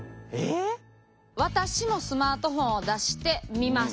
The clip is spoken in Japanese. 私もスマートフォンを出して見ます。